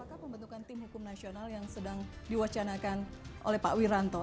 apakah pembentukan tim hukum nasional yang sedang diwacanakan oleh pak wiranto